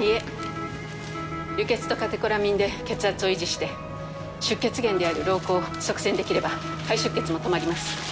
いえ輸血とカテコラミンで血圧を維持して出血源である瘻孔を塞栓できれば肺出血も止まります。